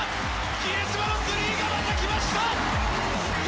比江島のスリーがまた来ました！